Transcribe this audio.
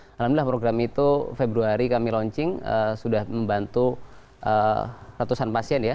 alhamdulillah program itu februari kami launching sudah membantu ratusan pasien ya